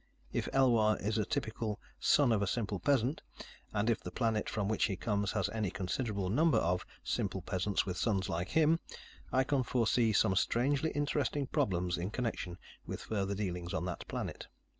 If Elwar is a typical "son of a simple peasant," and if the planet from which he comes has any considerable number of "simple peasants" with sons like him, I can foresee some strangely interesting problems in connection with further dealings on that planet.